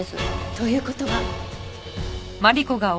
という事は。